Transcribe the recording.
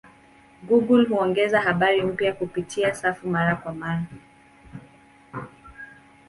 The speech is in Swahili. Google huongeza habari mpya kupitia safu mara kwa mara.